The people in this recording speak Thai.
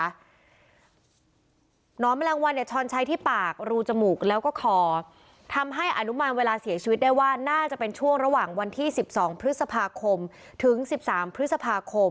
หนอนแมลงวันเนี่ยช้อนใช้ที่ปากรูจมูกแล้วก็คอทำให้อนุมานเวลาเสียชีวิตได้ว่าน่าจะเป็นช่วงระหว่างวันที่๑๒พฤษภาคมถึง๑๓พฤษภาคม